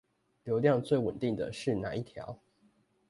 流量最穩定的是那一條？